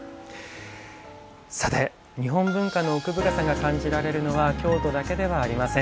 日本文化の奥深さが感じられるのは京都だけではありません。